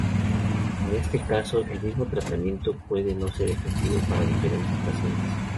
En este caso, el mismo tratamiento puede no ser efectivo para diferentes pacientes.